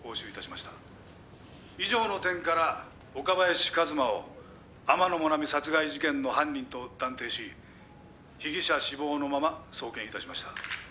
「以上の点から岡林和馬を天野もなみ殺害事件の犯人と断定し被疑者死亡のまま送検いたしました」